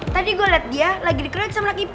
tadi gue liat dia lagi dikeroyok sama nona ipa